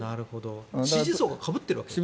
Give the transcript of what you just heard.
支持層がかぶるわけですね。